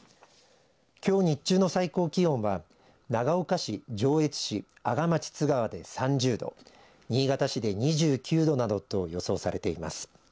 きょう日中の最高気温は長岡市、上越市、阿賀町津川で３０度新潟市で２９度などと予想されています。